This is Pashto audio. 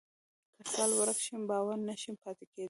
که خیال ورک شي، باور نهشي پاتې کېدی.